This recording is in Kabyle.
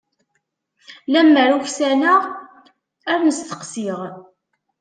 Lemmer uksaneɣ ar n-steqsiɣ.